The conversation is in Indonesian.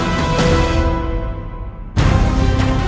kau akan menang